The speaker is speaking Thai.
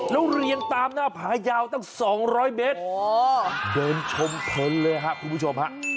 แล้วเรียงตามหน้าพระยาวตั้งสองร้อยเบตเดินชมเผ็ดเลยครับคุณผู้ชมฮะ